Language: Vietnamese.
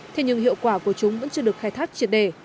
thế nhưng hiệu quả của chúng vẫn chưa được khai thác triệt đề